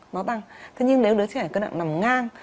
nó tăng thế nhưng nếu đứa trẻ cân nặng nằm ngang